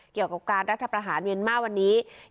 เกี่ยวกับการรัฐประหารเมียนมาร์ประเทศผู้หญิงวันนี้